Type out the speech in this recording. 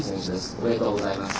おめでとうございます。